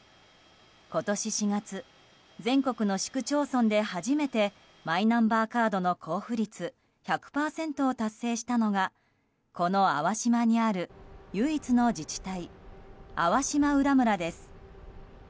今年４月全国の市区町村で初めてマイナンバーカードの交付率１００％を達成したのがこの粟島にある唯一の自治体粟島浦村です。